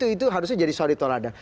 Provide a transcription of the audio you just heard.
itu harusnya jadi suri telonjan